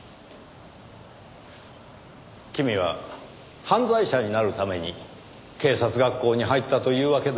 君は犯罪者になるために警察学校に入ったというわけですか。